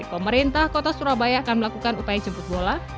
pemerintah kota surabaya akan melakukan upaya jemput bola